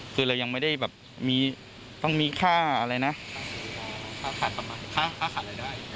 คือเรายังไม่ได้แบบมีต้องมีค่าอะไรนะค่าขาดรายได้